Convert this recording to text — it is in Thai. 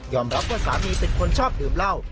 รับว่าสามีเป็นคนชอบดื่มเหล้า